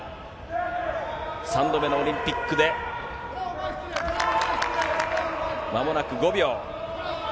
３度目のオリンピックで、まもなく５秒。